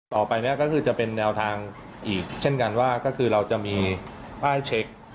ต่อไปเนี่ยก็คือจะเป็นแนวทางอีกเช่นกันว่าก็คือเราจะมีป้ายเช็ค